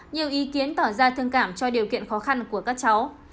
nhiều ý kiến tỏ ra thương cảm cho điều kiện khó khăn của các cháu